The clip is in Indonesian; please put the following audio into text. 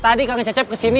tadi kak ngececep kesini